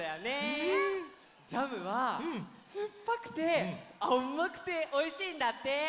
ジャムはすっぱくてあまくておいしいんだって！